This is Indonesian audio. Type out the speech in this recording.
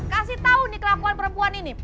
kasih tahu nih kelakuan perempuan ini